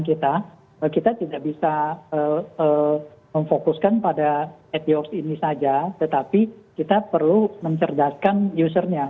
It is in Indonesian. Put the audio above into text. kita tidak bisa memfokuskan pada at yours ini saja tetapi kita perlu mencerdaskan usernya